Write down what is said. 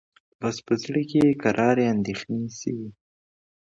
بس په زړه کي یې کراري اندېښنې سوې